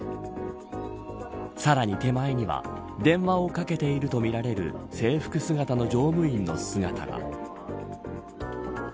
さらに手前には電話をかけているとみられる制服姿の乗務員の姿が。